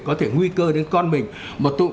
có thể nguy cơ đến con mình mà tôi